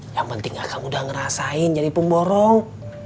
yang penting akan udah ngerasain jadi pemborong